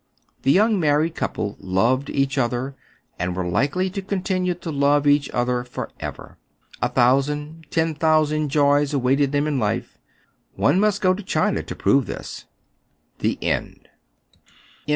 The young married couple loved each other, and were likely to continue to love each other forever. A thousand, ten thousand joys await them in life. One must go to China to prove this. THE END.